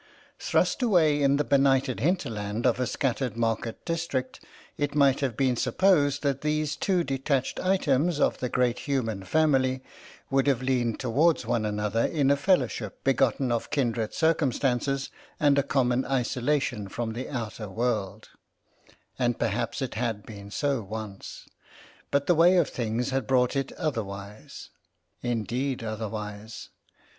Thrust away in the benighted hinterland of a scattered market district, it might have been supposed that these two detached items of the Great Human Family would have leaned towards one another in a fellowship begotten of kindred circumstances and a common isolation from the outer world. 31 32 BLOOD FEUD OF TOAD WATER And perhaps it had been so once, but the way of things had brought it otherwise. Indeed, otherwise.